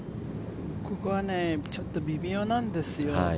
ここはちょっと微妙なんですよ。